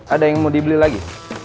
ada yang mau dibeli lagi